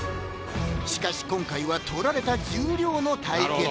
しかし今回は取られた重量の対決